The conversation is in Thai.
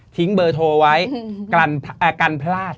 เบอร์โทรไว้กันพลาด